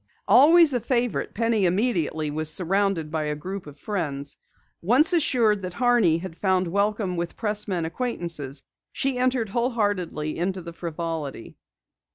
Always a favorite, Penny immediately was surrounded by a group of friends. Assured that Horney had found welcome with pressmen acquaintances, she entered wholeheartedly into the frivolity.